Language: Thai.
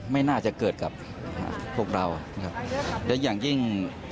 ไม่น่าจะเกิดกับพวกเรานะครับและอย่างยิ่ง